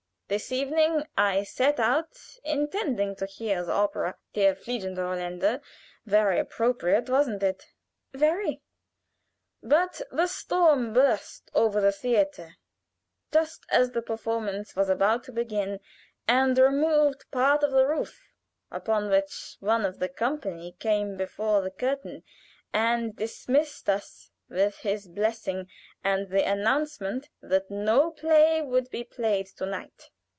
This evening I set out, intending to hear the opera 'Der Fliegende Holländer' very appropriate, wasn't it?" "Very." "But the storm burst over the theater just as the performance was about to begin, and removed part of the roof, upon which one of the company came before the curtain and dismissed us with his blessing and the announcement that no play would be played to night.